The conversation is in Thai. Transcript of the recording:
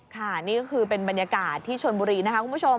นี่ก็คือเป็นบรรยากาศที่ชนบุรีนะคะคุณผู้ชม